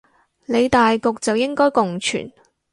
理大局就應該共存